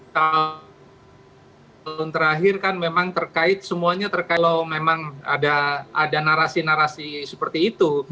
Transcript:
tahun terakhir kan memang terkait semuanya terkait kalau memang ada narasi narasi seperti itu